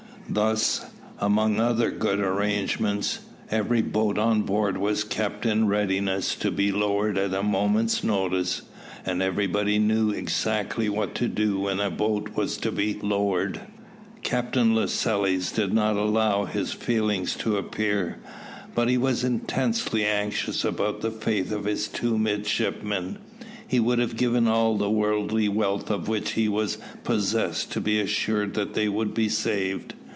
Thus, among other good arrangements, every boat on board was kept in readiness to be lowered at a moment's notice, and everybody knew exactly what to do when a boat was to be lowered. Captain Lascelles did not allow his feelings to appear; but he was intensely anxious about the fate of his two midshipmen. He would have given all the worldly wealth of which he was possessed to be assured that they would be saved.